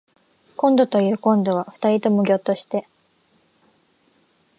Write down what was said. こんどというこんどは二人ともぎょっとして